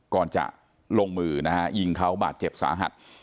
ก่อนจะลงมือนะฮะยิงเขาบาดเจ็บสาหัส